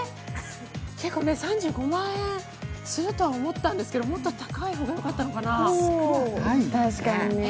てか、３５万円すると思ったんですけどもっと高い方がよかったのかな？